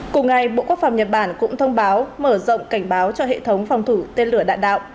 cùng ngày bộ quốc phòng nhật bản cũng thông báo mở rộng cảnh báo cho hệ thống phòng thủ tên lửa đạn đạo